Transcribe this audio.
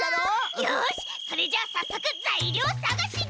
よしそれじゃあさっそくざいりょうさがしだ！